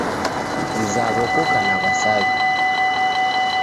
Mzaw'o koka na w'asaw'i